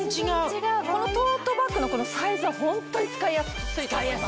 このトートバッグのサイズはホントに使いやすいと思います。